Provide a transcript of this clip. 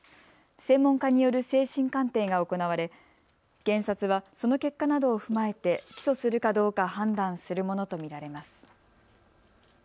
専門家による精神鑑定が行われ検察はその結果などを踏まえて起訴するかどうか判断するものと見られます。